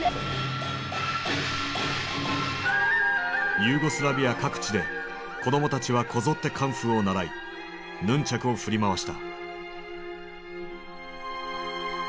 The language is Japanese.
ユーゴスラビア各地で子供たちはこぞってカンフーを習いヌンチャクを振り回した。